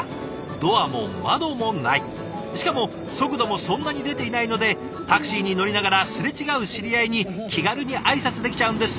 ドアも窓もないしかも速度もそんなに出ていないのでタクシーに乗りながら擦れ違う知り合いに気軽に挨拶できちゃうんです。